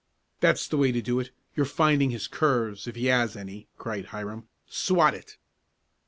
"That's the way to do it. You're finding his curves if he has any!" cried Hiram. "Swat it!"